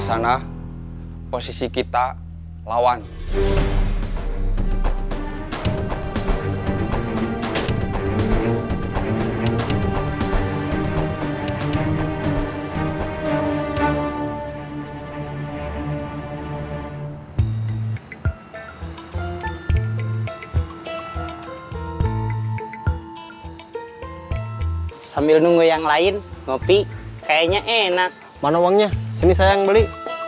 tengah posisi kita lawan sambil nunggu yang lain kopi kayaknya enak mana uangnya sini sayang beli